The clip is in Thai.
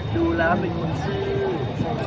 ดูแล้วเป็นคนสู้